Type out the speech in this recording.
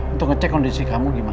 untuk ngecek kondisi kamu gimana